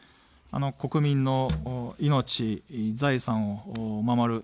国民の命、財産を守る。